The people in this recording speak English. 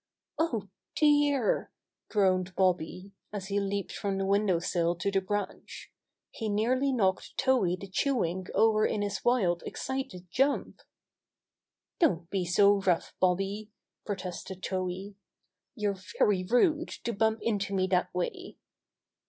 *^0h, dear!" groaned Bobby, as he leaped from the window sill to the branch. He nearly knocked Towhee the Chewink over in his wild, excited jump. "Don't be so rough, Bobby T' protested Towhee. "You're very rude to bump into me that way."